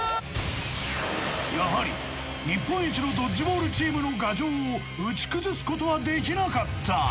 やはり日本一のドッジボールチームの牙城を打ち崩すことはできなかった